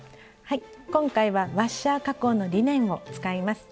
今回はワッシャー加工のリネンを使います。